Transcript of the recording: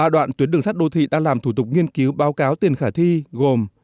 ba đoạn tuyến đường sắt đô thị đang làm thủ tục nghiên cứu báo cáo tiền khả thi gồm